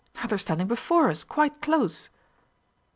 Now they are standing before us, quite close."